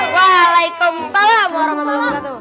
waalaikumsalam warahmatullahi wabarakatuh